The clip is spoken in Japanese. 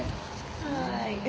はい。